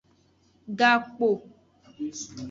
Gakpo.